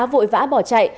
vội vã bỏ chạy